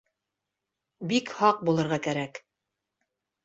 Бик һаҡ булырға кәрәк.